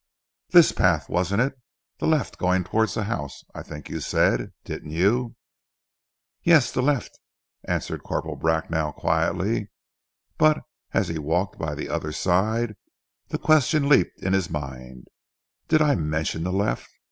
"This path, wasn't it? The left going towards the house, I think you said, didn't you?" "Yes, the left!" answered Corporal Bracknell quietly, but as he walked by the other's side the question leaped in his mind. "Did I mention the left?"